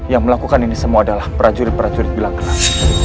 yang melakukan ini semua adalah prajurit prajurit gelang gelang